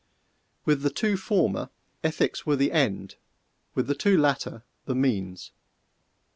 With the two former ethics were the end with the two latter the means.